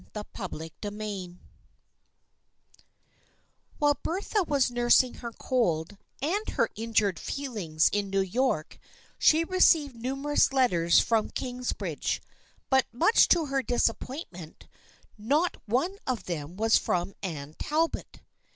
CHAPTER XVI HILE Bertha was nursing her cold and her V V injured feelings in New York she received numerous letters from Kingsbridge, but much to her disappointment not one of them was from Anne Talbot.